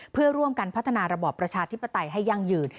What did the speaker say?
เพื่อร่วมกันพัฒนาระบอบประชาธิปไตยให้ยั่งยืน